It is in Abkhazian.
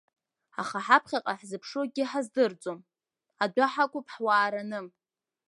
Аха ҳаԥхьаҟа иаҳзыԥшу акгьы ҳаздырӡом, адәы ҳақәуп ҳуаараны.